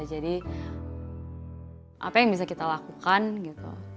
jadi apa yang bisa kita lakukan gitu